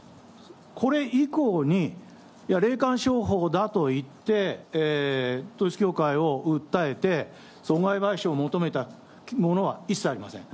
これ以降に霊感商法だと言って、統一教会を訴えて、損害賠償を求めたものは一切ありません。